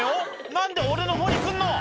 「何で俺のほうに来んの！」